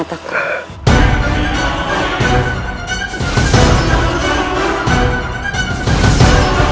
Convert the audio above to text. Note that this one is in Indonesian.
tidak ada lepa